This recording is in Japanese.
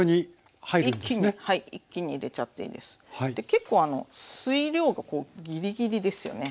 結構水量がギリギリですよね。